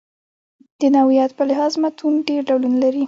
د نوعیت په لحاظ متون ډېر ډولونه لري.